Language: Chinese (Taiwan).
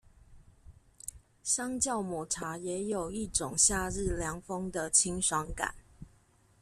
相較抹茶也有一種夏日涼風的清爽感